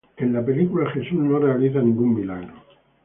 En la película, Jesús no realiza ningún milagro.